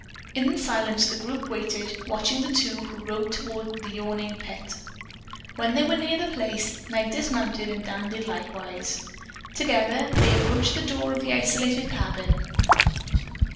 In silence the group waited, watching the two who rode toward the yawning pit. When they were near the place, Meg dismounted and Dan did likewise. Together they approached the door of the isolated cabin.